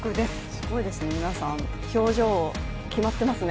すごいですね、皆さん、表情決まっていますね。